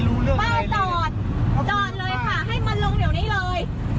มึงลงไปเดี๋ยวนี้เลย